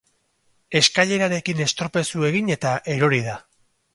Eskailerarekin estropezu egin eta erori da.